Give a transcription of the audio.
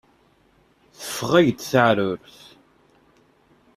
Teffeɣ-ak-d teεrurt.